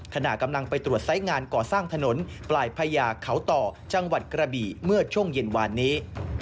ขณะกำลังไปตรวจไซส์งานก่อสร้างถนนปลายพญาเขาต่อจังหวัดกระบี่เมื่อช่วงเย็นวานนี้